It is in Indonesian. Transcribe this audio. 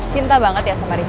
cinta banget ya sama rizk